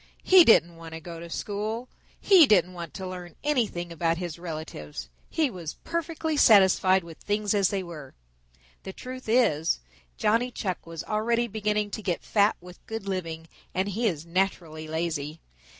He didn't want to go to school. He didn't want to learn anything about his relatives. He was perfectly satisfied with things as they were. The truth is, Johnny Chuck was already beginning to get fat with good living and he is naturally lazy.